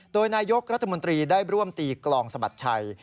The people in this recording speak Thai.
โดยนายกรัฐมนตรีได้ร่วมตีกลองสะบัดชัย